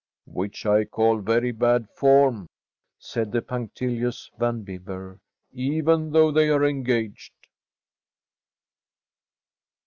“Which I call very bad form,” said the punctilious Van Bibber, “even though they are engaged.